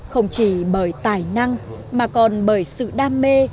không chỉ bởi tài năng mà còn bởi sự đam mê